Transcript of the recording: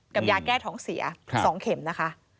ยาแก้ท้องเสีย๒เข็มนะคะ